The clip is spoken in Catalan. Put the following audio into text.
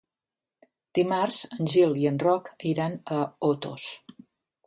Dimarts en Gil i en Roc iran a Otos.